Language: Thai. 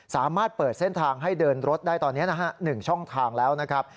สามารถเปิดเส้นทางให้เดินรถได้ตอนนี้นะฮะ๑ช่องทางแล้วนะครับ